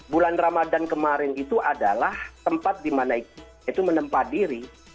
bulan ramadan kemarin itu adalah tempat di mana itu menempa diri